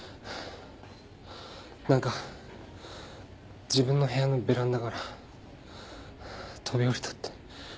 何か自分の部屋のベランダから飛び降りたって。